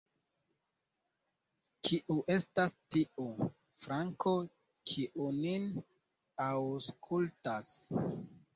Kiu estas tiu _Franko_, kiu nin aŭskultas?